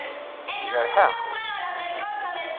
Jerḥeɣ-k?